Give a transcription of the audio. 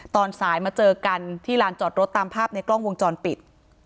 ตอนสายมาเจอกันที่ลานจอดรถตามภาพในกล้องวงจรปิด